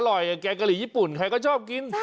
แกงกะหรี่ญี่ปุ่นใครก็ชอบกิน